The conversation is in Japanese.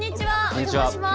お邪魔します。